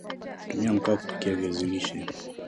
tumia Mkaa kupikia viazi lishe